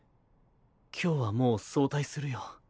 今日はもう早退するよ。